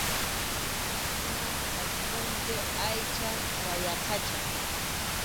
Mamakunapa qhasqunpi aycha wayaqacha.